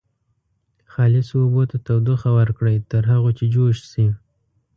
خالصو اوبو ته تودوخه ورکړئ تر هغو چې جوش شي.